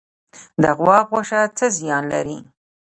د غوا غوښه څه زیان لري؟